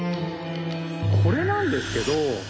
これなんですけど。